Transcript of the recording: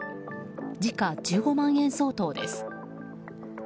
時価１５万円相当です。